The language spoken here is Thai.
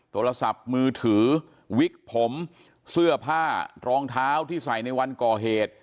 โทรศัพท์มือถือวิกผมเสื้อผ้ารองเท้าที่ใส่ในวันก่อเหตุ